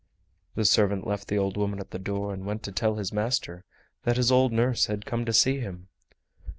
The servant left the old woman at the door and went to tell his master that his old nurse had come to see him.